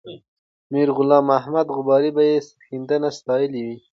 میرغلام محمد غبار به یې سرښندنه ستایلې وه.